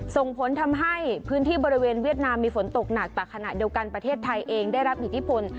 ส่งผลทำให้พื้นที่บริเวณเวียดนามมีฝนตกหนักแต่ขณะเดียวกันประเทศไทยเองได้รับอิทธิพล